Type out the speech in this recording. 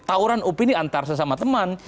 tawuran opini antar sesama teman